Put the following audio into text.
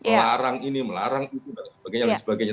melarang ini melarang itu dan sebagainya